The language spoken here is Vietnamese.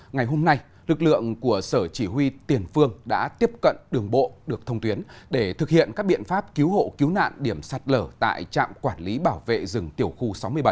ngày hôm nay lực lượng của sở chỉ huy tiền phương đã tiếp cận đường bộ được thông tuyến để thực hiện các biện pháp cứu hộ cứu nạn điểm sạt lở tại trạm quản lý bảo vệ rừng tiểu khu sáu mươi bảy